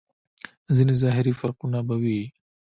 ځينې ظاهري فرقونه به وي.